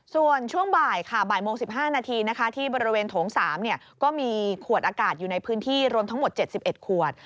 ส่วนช่วงบ่ายค่ะบ่ายโมง๑๕นาทีที่บริเวณโถง๓ก็มีขวดอากาศอยู่ในพื้นที่รวมทั้งหมด๗๑ขวด